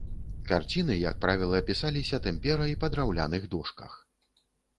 Карціны, як правіла, пісаліся тэмперай па драўляных дошках.